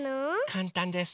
かんたんです。